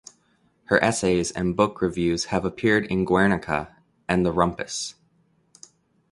Her essays and book reviews have appeared in Guernica and The Rumpus.